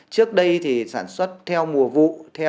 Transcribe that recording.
trước đây thì sản xuất theo mùa vụ